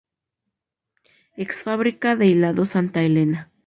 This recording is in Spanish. Ex-Fábrica de Hilados Santa Elena.